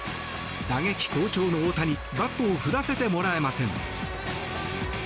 打撃好調の大谷バットを振らせてもらえません。